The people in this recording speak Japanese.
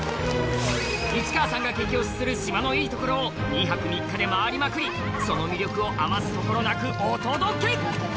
市川さんが激推しする島のいいところを２泊３日で回りまくりその魅力を余すところなくお届け！